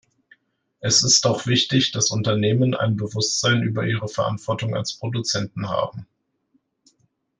Es ist auch wichtig, dass Unternehmen ein Bewusstsein über ihre Verantwortung als Produzenten haben.